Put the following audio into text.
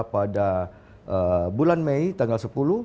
pada bulan mei tanggal sepuluh dua ribu dua puluh satu